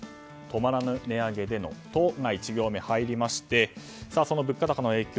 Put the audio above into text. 止まらぬ値上げの「ト」が１行目に入りまして物価高の影響